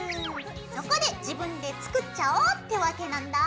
そこで自分で作っちゃおうってわけなんだぁ。